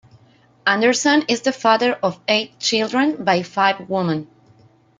Anderson is the father of eight children, by five women.